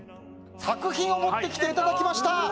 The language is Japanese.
作品を持ってきていただきました。